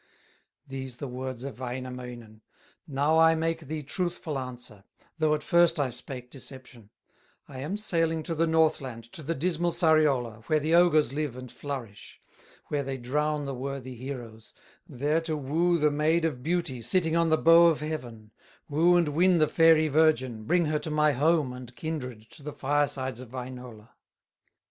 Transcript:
These the words of Wainamoinen: "Now I make thee truthful answer, Though at first I spake deception: I am sailing to the Northland To the dismal Sariola, Where the ogres live and flourish, Where they drown the worthy heroes, There to woo the Maid of Beauty Sitting on the bow of heaven, Woo and win the fairy virgin, Bring her to my home and kindred, To the firesides of Wainola."